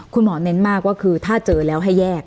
เน้นมากว่าคือถ้าเจอแล้วให้แยก